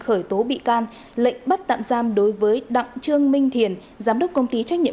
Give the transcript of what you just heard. khởi tố bị can lệnh bắt tạm giam đối với đặng trương minh thiền giám đốc công ty trách nhiệm